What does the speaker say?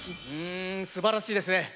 うんすばらしいですね。